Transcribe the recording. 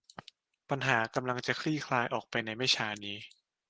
ปัญหากำลังจะคลี่คลายออกไปในไม่ช้านี้